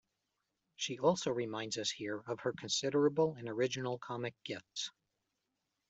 She also reminds us here of her considerable and original comic gifts.